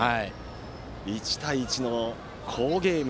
１対１の好ゲーム。